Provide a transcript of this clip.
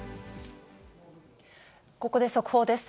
ここで速報です。